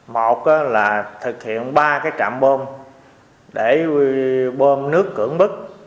một là thực hiện ba cái trạm bôm để bôm nước cưỡng bức